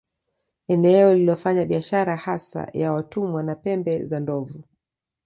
Eneo lililofanya biashara hasa ya watumwa na pembe za Ndovu